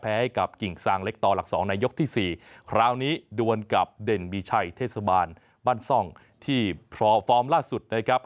ให้กับกิ่งซางเล็กต่อหลักสองในยกที่๔คราวนี้ดวนกับเด่นมีชัยเทศบาลบ้านซ่องที่ฟอร์มล่าสุดนะครับ